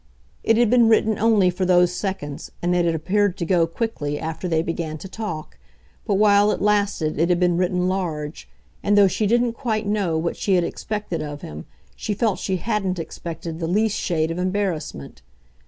It had been written only for those seconds, and it had appeared to go, quickly, after they began to talk; but while it lasted it had been written large, and, though she didn't quite know what she had expected of him, she felt she hadn't expected the least shade of embarrassment.